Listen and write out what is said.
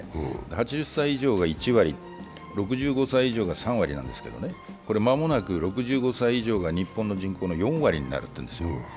８０歳以上が１割、６５歳以上が３割なんですけどね、間もなく６５歳以上が日本の人口の４割になるんです。